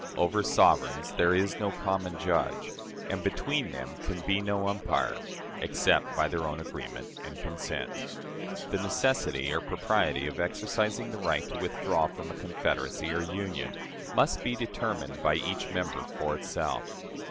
Over sovereigns there is no common judge, and between them can be no umpire, except by their own agreement and consent. The necessity or propriety of exercising the right to withdraw from a confederacy or union must be determined by each member for itself.